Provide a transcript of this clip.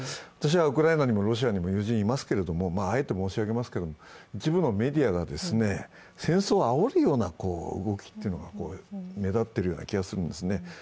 私はウクライナにもロシアにも友人いますけれども、あえて申し上げますけれども、一部のメディアが戦争をあおるような動きというのが目立っているような気がするんですね。